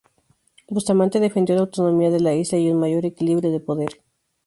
Bustamante defendió la autonomía de la isla, y un mayor equilibrio de poder.